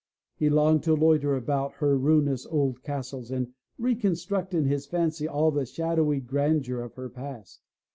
He longed to loiter about her ruinous old castles, and reconstruct in his fancy all the shadowy grandeur of her past.